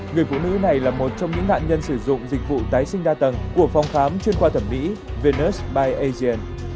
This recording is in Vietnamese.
người phụ nữ này là một trong những nạn nhân sử dụng dịch vụ tái sinh đa tầng của phòng khám chuyên khoa thẩm mỹ venus by asian